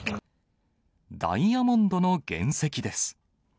ダイヤモンドの原石です。